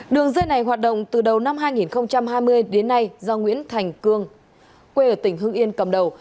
đường dây này hoạt động từ đầu năm hai nghìn hai mươi đến nay do nguyễn thành cương quê ở tỉnh hưng yên cầm đầu